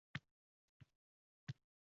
Men qoʻngʻiroq qilishni soʻragan edimku